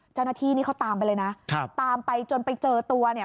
เจ้าหน้าที่นี่เขาตามไปเลยนะครับตามไปจนไปเจอตัวเนี่ย